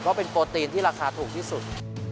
ว่าเป็นโปรตีนที่ราคาถูกที่สุด